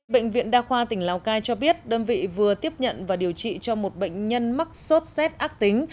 bệnh viện đa khoa tỉnh lào cai cho biết đơn vị vừa tiếp nhận và điều trị cho một bệnh nhân mắc sốt z ác tính